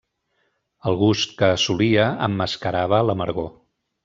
El gust que assolia emmascarava l'amargor.